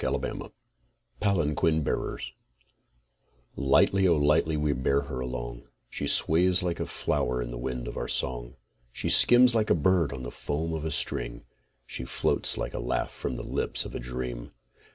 FOLK SONGS PALANQUIN BEARERS Lightly, O lightly we bear her along, She sways like a flower in the wind of our song; She skims like a bird on the foam of a stream, She floats like a laugh from the lips of a dream.